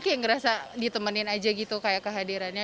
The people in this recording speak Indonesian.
kayak ngerasa ditemenin aja gitu kayak kehadirannya